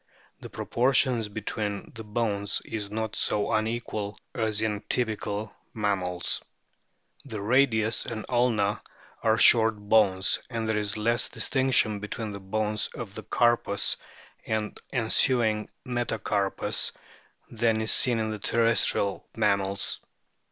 The proportions between the bones is not so unequal as in typical mammals. The radius and the ulna are short bones, and there is less distinction between the bones of the carpus and the ensuing metacarpus than is seen in terrestrial mammals.